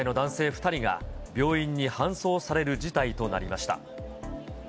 ２人が病院に搬送される事態となりました。